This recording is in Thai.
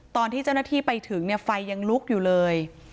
ตอนที่เจ้าหน้าที่ไปถึงเนี่ยไฟยังลุกอยู่เลย